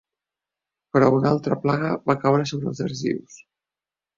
Però una altra plaga va caure sobre els argius.